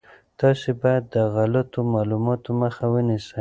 تاسي باید د غلطو معلوماتو مخه ونیسئ.